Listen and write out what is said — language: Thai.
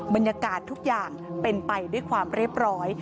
บรรยากาศทุกอย่างเป็นไปด้วยความเรียบร้อย